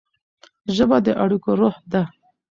ژبه د اړیکو روح ده.